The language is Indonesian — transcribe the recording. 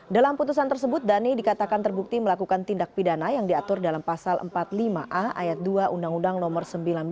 dalam putusan tersebut dhani dikatakan terbukti melakukan tindak pidana yang diatur dalam pasal empat puluh lima a ayat dua undang undang nomor sembilan belas